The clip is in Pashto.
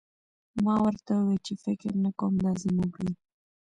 ما ورته وویل چې فکر نه کوم دا زموږ وي